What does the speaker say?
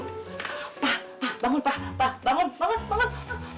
pak pak bangun pak pak bangun bangun bangun